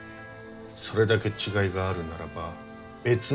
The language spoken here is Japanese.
それだけ違いがあるならば別の植物だろう。